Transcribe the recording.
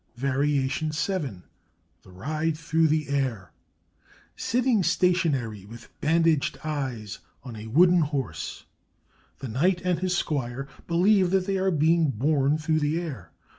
VARIATION VII THE RIDE THROUGH THE AIR Sitting stationary with bandaged eyes on a wooden horse, the knight and his squire believe that they are being borne through the air.